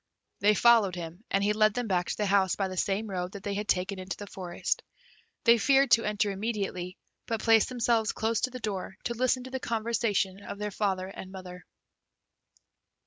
They followed him, and he led them back to the house by the same road that they had taken into the forest. They feared to enter immediately, but placed themselves close to the door to listen to the conversation of their father and mother.